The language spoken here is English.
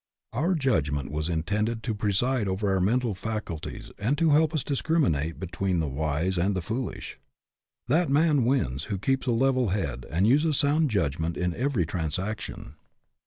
Our judgment was intended to preside over our mental faculties and to help us discriminate between the wise and the foolish. That man wins who keeps a level head and uses sound judgment in every transaction.